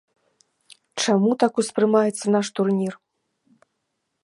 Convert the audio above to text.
Чаму так успрымаецца наш турнір?